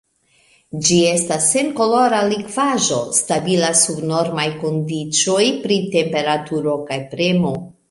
Ĝi estas senkolora likvaĵo stabila sub normaj kondiĉoj pri temperaturo kaj premo.